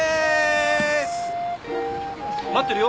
待ってるよ。